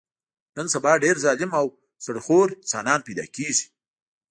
نن سبا ډېر ظالم او سړي خور انسانان پیدا کېږي.